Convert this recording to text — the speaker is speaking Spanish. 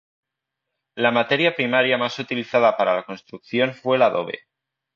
La materia prima más utilizada para la construcción fue el adobe.